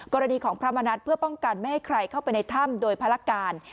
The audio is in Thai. กรณีของพระมณัฐเพื่อป้องกันไม่ให้ใครเข้าไปในถ้ำโดยภารการ